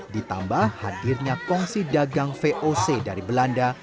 ditambah hadirnya kongsi dagang voc dari belanda